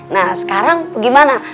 nah sekarang gimana